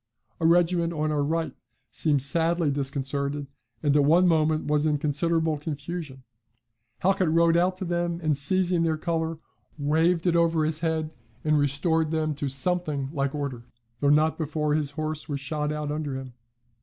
A regiment on our right seemed sadly disconcerted, and at one moment was in considerable confusion. Halkett rode out to them, and seizing their colour, waved it over his head, and restored them to something like order, though not before his horse was shot under him.